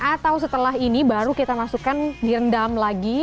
atau setelah ini baru kita masukkan direndam lagi